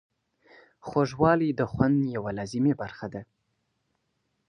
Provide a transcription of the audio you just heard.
خوږوالی د خوند یوه لازمي برخه ده.